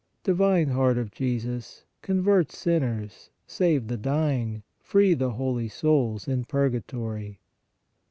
Divine Heart of Jesus, convert sinners, save the dying, free the holy souls in purgatory.